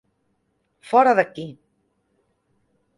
Fóra de aquí.